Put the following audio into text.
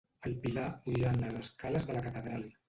El Pilar pujant les escales de la catedral.